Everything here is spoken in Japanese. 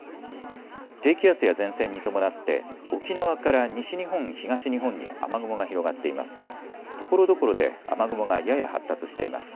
低気圧や前線に伴って沖縄から西日本、東日本に雨雲が広がっています。